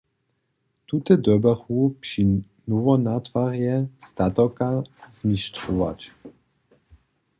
Tute dyrbjachu při nowonatwarje statoka zmištrować.